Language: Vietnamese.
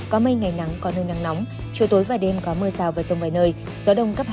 có mây ngày nắng có nơi nắng nóng trưa tối vài đêm có mưa rào và rông vài nơi gió đông cấp hai ba